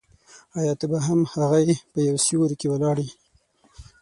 آیا ته به هم هغه یې په یو سیوري کې ولاړ یې.